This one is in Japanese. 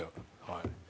はい。